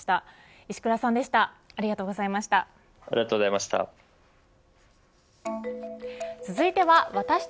石倉さんでした。